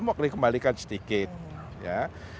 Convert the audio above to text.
mau kembalikan sedikit ya